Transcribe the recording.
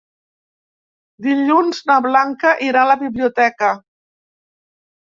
Dilluns na Blanca irà a la biblioteca.